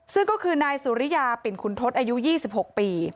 ซึ่งก็คือนายสุริยาปิ่นขุนทศอายุ๒๖ปี